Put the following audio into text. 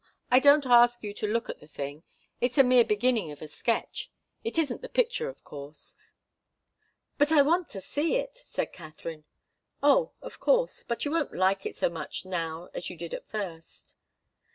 I don't ask you to look at the thing it's a mere beginning of a sketch it isn't the picture, of course." "But I want to see it," said Katharine. "Oh, of course. But you won't like it so much now as you did at first."